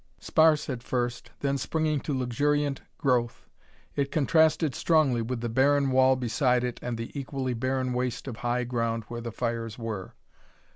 Sparse at first, then springing to luxuriant growth, it contrasted strongly with the barren wall beside it and the equally barren waste of high ground where the fires were.